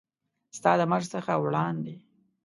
ستا د مرګ څخه وړاندې